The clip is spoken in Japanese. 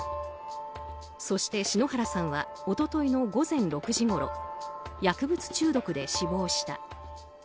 そして篠原さんは一昨日の午前６時ごろ薬物中毒で死亡した。